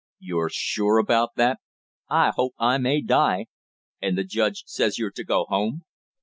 "You're sure about that?" "I hope I may die " "And the judge says you're to go home?"